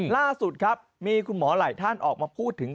ล่าสุดครับมีคุณหมอหลายท่านออกมาพูดถึง